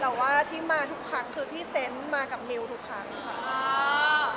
แต่ว่าที่มาทุกครั้งคือพี่เซนต์มากับมิวทุกครั้งค่ะ